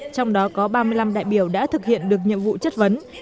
trong đó có ba mươi năm đại biểu đã thực hiện được nhiệm vụ chất vấn